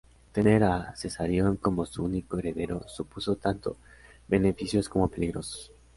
Tener a Cesarión como su único heredero supuso tanto beneficios como peligros.